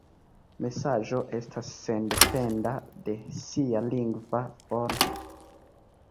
Mesaĝo estas sendependa de sia lingva formo.